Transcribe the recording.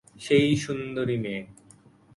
সেই সুন্দরী মেয়ে।